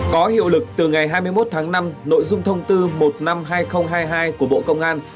có hiệu lực từ ngày hai mươi một tháng năm nội dung thông tư một trăm năm mươi hai nghìn hai mươi hai của bộ công an